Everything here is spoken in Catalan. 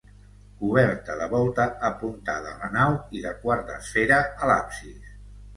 Coberta de volta apuntada a la nau i de quart d'esfera a l'absis.